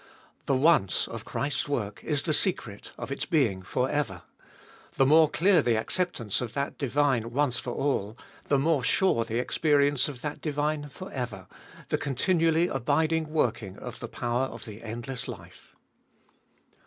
The once of Christ's work is the secret of its being for ever : the more clear the acceptance of that divine once for all, the more sure the experience of that divine for ever, the continually abiding working of the power of the endless life.